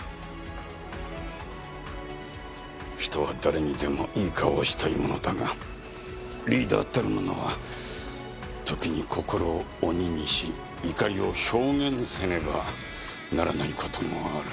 人は誰にでもいい顔をしたいものだがリーダーたる者は時に心を鬼にし怒りを表現せねばならない事もある。